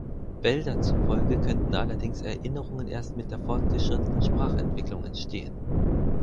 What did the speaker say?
Wälder zufolge könnten allerdings Erinnerungen erst mit der fortgeschrittenen Sprachentwicklung entstehen.